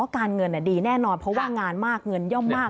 การเงินดีแน่นอนเพราะว่างานมากเงินย่อมมาก